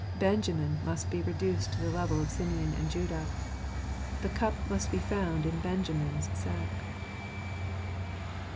Benjamin must be reduced to the level of Simeon and Judah. The cup must be found in Benjamin's sack.